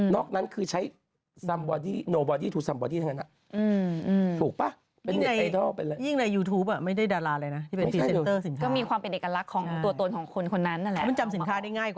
นางคิดแบบว่าไม่ไหวแล้วไปกดแล้วไปกด